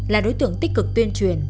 là đối tượng tích cực tuyên truyền